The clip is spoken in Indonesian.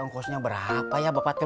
ongkosnya berapa ya bapak